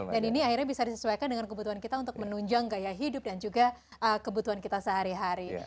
dan ini akhirnya bisa disesuaikan dengan kebutuhan kita untuk menunjang gaya hidup dan juga kebutuhan kita sehari hari